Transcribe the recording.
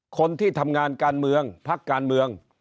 คนที่ทำงานการเมืองพักการเมือง